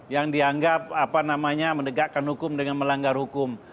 yang dianggap apa namanya menegakkan hukum dengan melanggar hukum